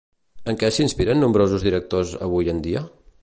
En què s'inspiren nombrosos directors avui en dia?